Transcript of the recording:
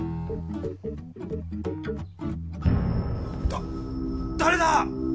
だ誰だ！